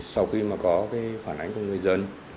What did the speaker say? sau khi mà có cái phản ánh của người dân